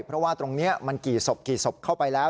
เพราะว่าตรงนี้มันกี่ศพกี่ศพเข้าไปแล้ว